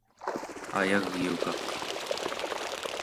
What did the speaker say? ayagyugaq